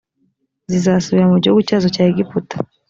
zizasubira mu gihugu cyazo cya egiputa